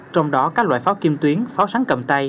trong đó các loại pháo kim tuyến pháo sáng cầm tay